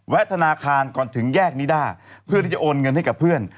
ธนาคารก่อนถึงแยกนิด้าเพื่อที่จะโอนเงินให้กับเพื่อน